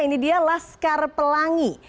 ini dia laskar pelangi